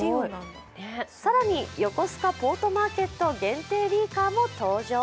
更に、よこすかポートマーケット限定ビーカーも登場。